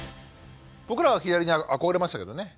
僕らは左に憧れましたけどね。